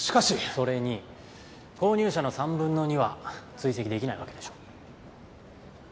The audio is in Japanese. それに購入者の３分の２は追跡出来ないわけでしょ。